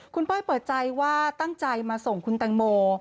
คุณเป้ยเปิดใจว่าตั้งใจมาส่งคุณแตงโม